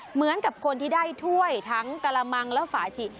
เหมือนกับคนที่ได้ถ้วยทั้งกระมังและฝาชิ